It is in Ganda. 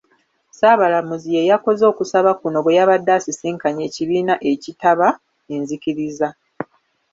Ssaabalamuzi ye yakoze okusaba kuno bwe yabadde asisinkanye ekibiina ekitaba enzikiriza.